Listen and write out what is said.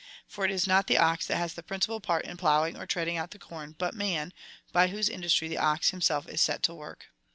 For it is not the ox that has the principal part in plowing or treading out tlie corn, but man, by whose industry the ox himself is set to work.